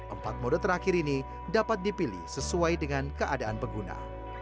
empat mode terakhir ini dapat dipilih sesuai dengan keadaan pengguna